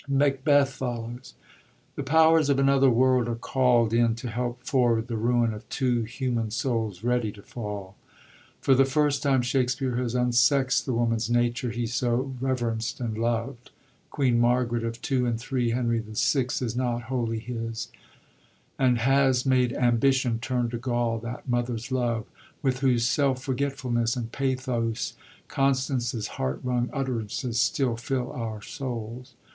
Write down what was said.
Macbeth follows. The powers of another world are calld in to help forward the ruin of two human souls ready to fall. For the first time Shakspere has unsext the woman's nature he so reverenced and lovd (Queen Margaret of 2 and 3 Henry VL is not wholly his), and has made ambition turn to gall that mother's love, with whose self forgetfulness and pathos Con stance's heart wrung utterances still fill our souls.